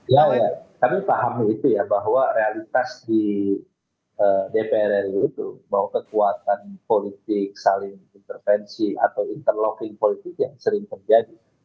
ya kami pahami itu ya bahwa realitas di dpr ri itu bahwa kekuatan politik saling intervensi atau interlocking politik yang sering terjadi